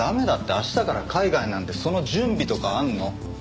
明日から海外なんでその準備とかあるの。